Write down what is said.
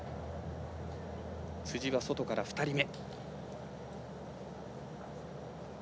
辻は外から２人目。